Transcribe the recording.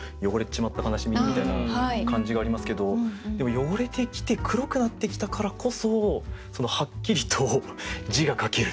みたいな感じがありますけどでも汚れてきて黒くなってきたからこそはっきりと字が書ける。